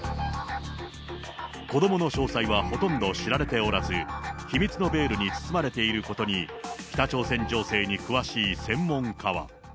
子どもの詳細はほとんど知られておらず、秘密のベールに包まれていることに、北朝鮮情勢に詳しい専門家は。